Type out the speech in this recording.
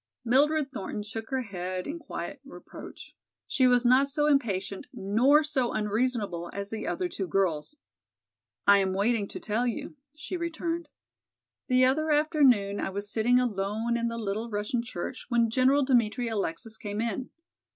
Mildred Thornton shook her head in quiet reproach. She was not so impatient nor so unreasonable as the other two girls. "I am waiting to tell you," she returned. "The other afternoon I was sitting alone in the little Russian church when General Dmitri Alexis came in.